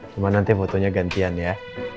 cuma nanti fotonya gantian ya